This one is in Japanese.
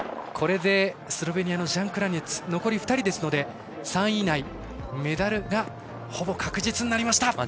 これでスロベニアのジャン・クラニェツ残り２人ですので３位以内メダルがほぼ確実になりました。